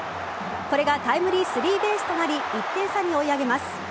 これがタイムリースリーベースとなり１点差に追い上げます。